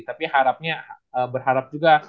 tapi harapnya berharap juga